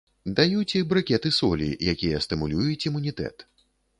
Даюць і брыкеты солі, якія стымулююць імунітэт.